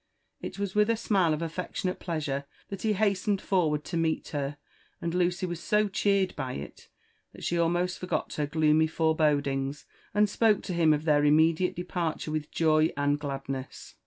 It was with a smile of alTeclionate pleasure that he hastened forward to meet her; and Lucy was so cheered by it, that she almost forgot her gloomy forebodings, and spoke to him of their immediate departure with joy and gladness.